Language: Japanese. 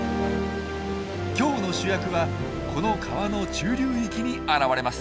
今日の主役はこの川の中流域に現れます。